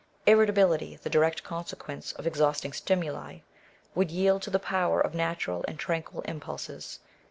Irritability, the direct consequence of exhausting stimuli, would yield to the power of natural L and tranquil impulses.